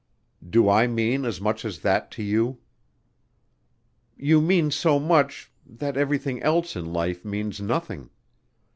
"Do I mean as much as that to you?" "You mean so much that everything else in life means nothing....